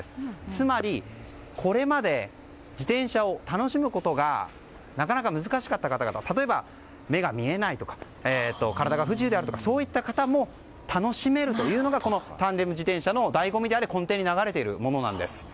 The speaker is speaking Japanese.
つまり、これまで自転車を楽しむことがなかなか難しかった方々例えば、目が見えないとか体が不自由であるとかそういった方も楽しめるというのがタンデム自転車の醍醐味であり根底に流れているものなんです。